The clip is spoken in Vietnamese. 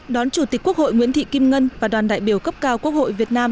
đón chủ tịch quốc hội nguyễn thị kim ngân và đoàn đại biểu cấp cao quốc hội việt nam